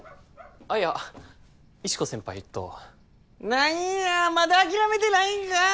ああいや石子先輩と何やまだ諦めてないんかー